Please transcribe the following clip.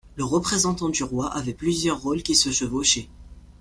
Le représentant du roi avait plusieurs rôles qui se chevauchaient.